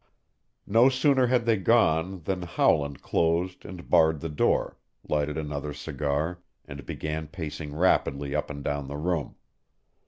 No sooner had they gone than Howland closed and barred the door, lighted another cigar, and began pacing rapidly up and down the room.